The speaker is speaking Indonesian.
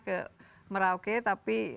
ke merauke tapi